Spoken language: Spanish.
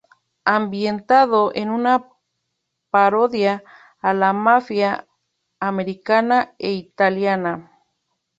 Ambientado en una parodia a la mafia americana e italiana.